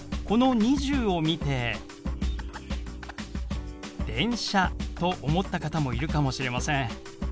この「２０」を見て「電車」と思った方もいるかもしれません。